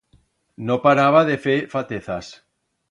No paraba de fer fatezas.